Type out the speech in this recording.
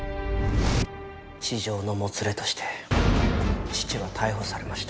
痴情のもつれとして父は逮捕されました。